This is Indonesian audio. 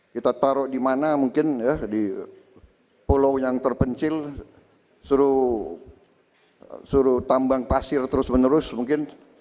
kita taruh di mana mungkin ya di pulau yang terpencil suruh tambang pasir terus menerus mungkin